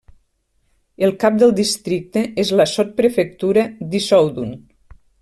El cap del districte és la sotsprefectura d'Issoudun.